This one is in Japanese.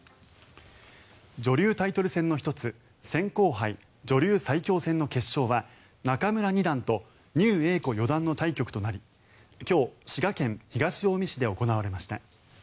女流タイトル戦の１つ扇興杯女流最強戦の決勝は仲邑二段と牛栄子四段の対局となり今日、滋賀県東近江市で行われました。